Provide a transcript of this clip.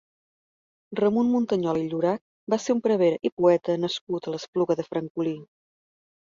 Ramon Muntanyola i Llorach va ser un prevere i poeta nascut a l'Espluga de Francolí.